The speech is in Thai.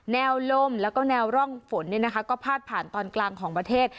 แนวลมแล้วก็แนวร่องฝนก็พาดผ่านตอนกลางของประเทศ